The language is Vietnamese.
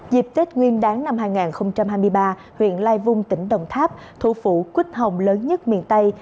dịp tết nguyên đáng năm hai nghìn hai mươi ba huyện lai vung tỉnh đồng tháp thủ phủ quyết hồng lớn nhất miền tây